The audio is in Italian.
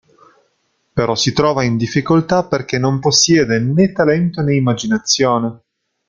Però si trova in difficoltà perché non possiede né talento ne immaginazione.